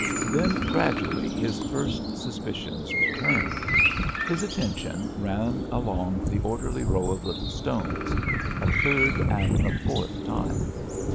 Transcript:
Then gradually his first suspicions returned. His attention ran along the orderly row of little stones—a third and a fourth time.